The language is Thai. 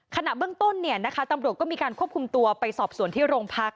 ขณะเบื้องต้นนะคะตำรวจก็มีการควบคุมตัวไปสอบที่ร่วมพัก